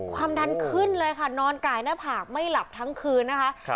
ความดันขึ้นเลยค่ะนอนกายหน้าผากไม่หลับทั้งคืนนะคะ